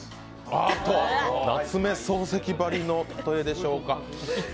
なんと夏目漱石ばりの例えでしょうか。